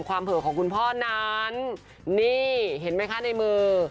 เผลอของคุณพ่อนั้นนี่เห็นไหมคะในมือ